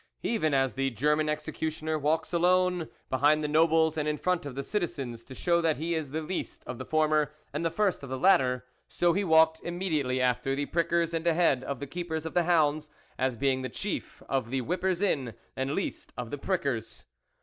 Even as the German executioner walks alone, behind the nobles and in front of the citizens, to show that he is the least of the former and the first of the latter, so he walked immediately after the prickers and ahead of the keepers of the hounds, as being the chief of the whippers in and least of the prickers.